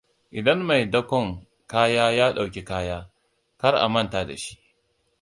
Idan mai dakon kaya ya ɗauki kaya, kar a manta da shi.